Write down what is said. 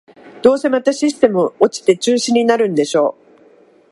どうせまたシステム落ちて中止になるんでしょ